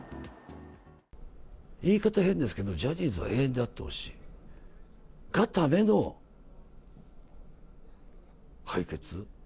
言い方変ですけど、ジャニーズは永遠であってほしいがための解決。